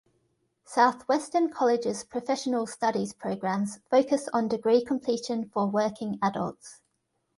Southwestern College's professional studies programs focus on degree completion for working adults.